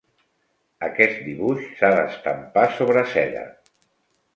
Aquest dibuix s'ha d'estampar sobre seda.